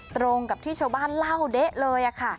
ตรงกับที่ชาวบ้านเล่าเด๊ะเลยค่ะ